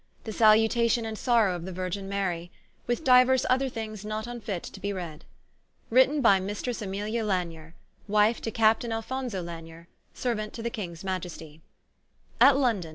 4 The Salutation and Sorrow of the Virgine Marie. With diuers other things not vnfit to be read. Written by Mistris Æmilia Lanyer, Wife to Captaine Alfonso Lanyer, Seruant to the Kings Majestie. XXXXXXXX XXXXXXXX A T L ONDON.